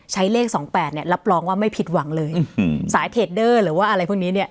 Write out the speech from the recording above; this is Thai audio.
เลขสองแปดเนี่ยรับรองว่าไม่ผิดหวังเลยสายเทดเดอร์หรือว่าอะไรพวกนี้เนี่ย